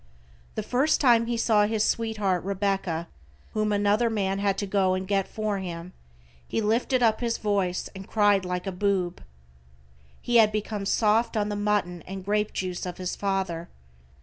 The first time he saw his sweetheart Rebecca, whom another man had to go and get for him, he lifted up his voice and cried like a boob. He had become soft on the mutton and grape juice of his father.